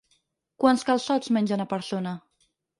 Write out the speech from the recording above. Quants calçots menja una persona?